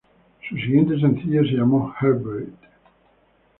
Su siguiente sencillo se llamó "Heartbeat".